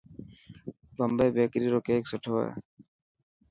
بمبي بيڪري روڪيڪ سٺو هي.